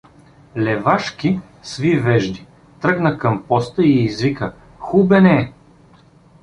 Левашки сви вежди, тръгна към поста и извика: — Хубене!